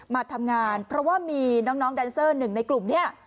มาทำงานเพราะว่ามีน้องแดนเซอร์หนึ่งในกลุ่มนี้